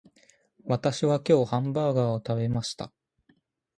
私は今日ハンバーガーを食べました